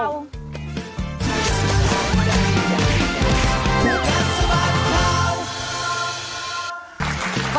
ข้วกัศบัตรเข้า